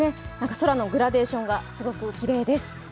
空のグラデーションがすごくきれいです。